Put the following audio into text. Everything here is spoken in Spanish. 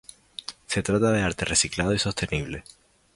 Se trata de arte reciclado y sostenible.